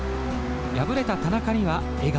敗れた田中には笑顔。